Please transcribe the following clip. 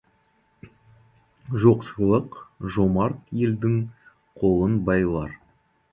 Жоқшылық жомарт елдің қолын байлар.